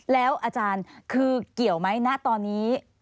แล้วอาจารย์คือเกี่ยวไหมณตอนนี้